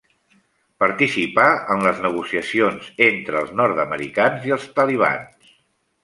Participà en les negociacions entre els nord-americans i els Talibans.